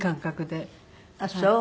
あっそう。